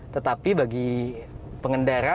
tetapi bagi pengendara